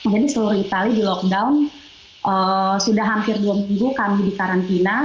jadi seluruh italia di lockdown sudah hampir dua minggu kami di karantina